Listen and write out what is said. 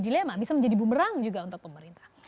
dilema bisa menjadi bumerang juga untuk pemerintah